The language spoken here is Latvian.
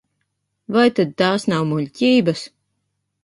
Vai tad tās nav muļķības?